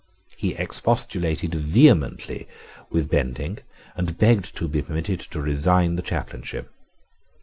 He expostulated vehemently with Bentinck, and begged to be permitted to resign the chaplainship.